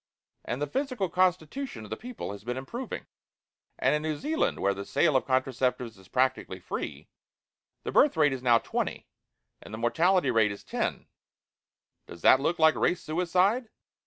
And the physical constitution of the people has been improving . And in New Zealand, where the sale of contraceptives is practically free, the birth rate is now 20, and the mortality rate is 10. Does that look like race suicide?